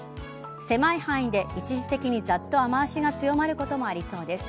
狭い範囲で一時的にざっと雨脚が強まることもありそうです。